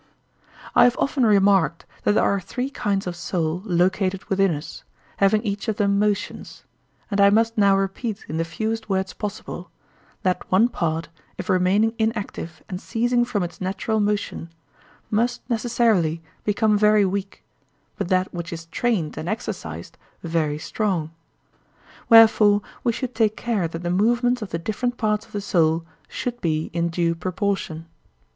I have often remarked that there are three kinds of soul located within us, having each of them motions, and I must now repeat in the fewest words possible, that one part, if remaining inactive and ceasing from its natural motion, must necessarily become very weak, but that which is trained and exercised, very strong. Wherefore we should take care that the movements of the different parts of the soul should be in due proportion.